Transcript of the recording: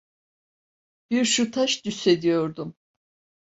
'Bir şu taş düşse!' diyordum.